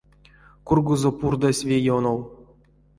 Кургозо пурдазь ве ёнов.